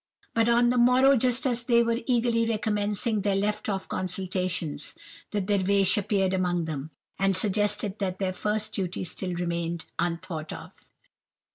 But on the morrow, just as they were eagerly recommencing their left off consultations, the Dervish appeared among them, and suggested that their first duty still remained unthought of.